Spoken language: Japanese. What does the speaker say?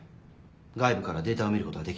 外部からデータを見ることはできない。